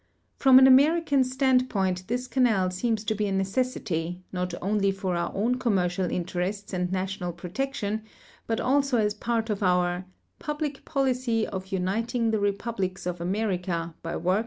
From an American standpoint this canal seems to he a necessity, not only for our oavu com mercial interests and national protection, but also as part of our '' i>ul)lic policy of uniting the republics of America by Avorks of ])eaceful deA'elopment."